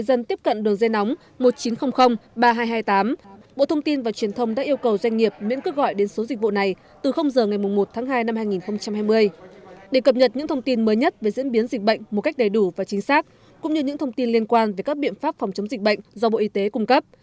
tại cuộc họp báo vào chiều ngày ba mươi một tháng hai năm hai nghìn hai mươi để cập nhật những thông tin mới nhất về diễn biến dịch bệnh một cách đầy đủ và chính xác cũng như những thông tin liên quan về các biện pháp phòng chống dịch bệnh do bộ y tế cung cấp